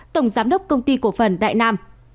tổng giám đốc công ty cổ phần đại nam